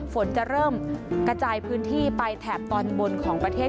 ฝนจะเริ่มกระจายพื้นที่ไปแถบตอนบนของประเทศ